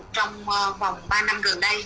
trong vòng ba năm gần đây